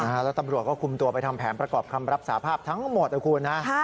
แล้วตำรวจก็คุมตัวไปทำแผนประกอบคำรับสาภาพทั้งหมดนะคุณนะ